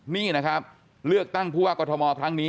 นี่นะครับเลือกตั้งผู้ว่ากรทมครั้งนี้